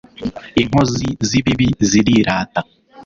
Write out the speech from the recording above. inkozi zibibi zirirata